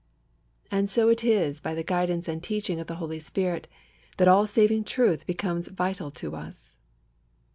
And so it is by the guidance and teaching of the Holy Spirit that all saving truth becomes vital to us.